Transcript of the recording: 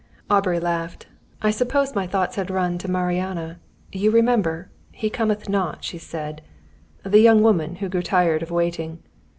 Aubrey laughed. "I suppose my thoughts had run to 'Mariana.' You remember? 'He cometh not,' she said; the young woman who grew tired of waiting.